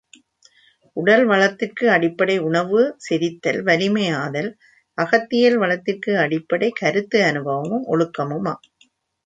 உடல் வளத்திற்கு அடிப்படை உணவு, செரித்தல், வலிமை ஆதல் அகத்தியல் வளத்திற்கு அடிப்படைக் கருத்து அனுபவமும், ஒழுக்கமுமாம்.